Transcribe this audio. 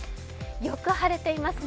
よく晴れていますね。